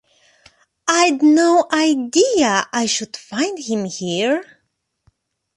I'd no idea I should find him here.